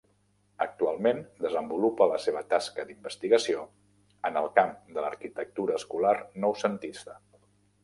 Actualment desenvolupa la seva tasca d'investigació en el camp de l'arquitectura escolar noucentista.